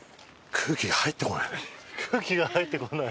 玉木：空気が入ってこない？